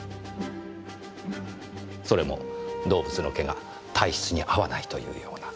それも動物の毛が体質に合わないというような。